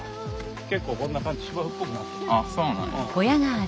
結構こんな感じ芝生っぽくなる。